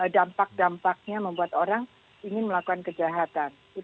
dampak dampaknya membuat orang ingin melakukan kejahatan